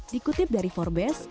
dikutip dari forbes